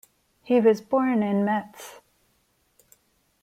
He was born in Metz.